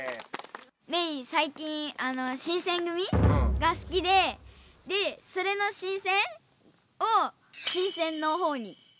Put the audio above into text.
メイ最近新選組がすきででそれの「新選」を「新鮮」のほうにして。